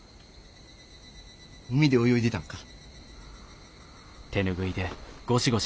海で泳いでたんか？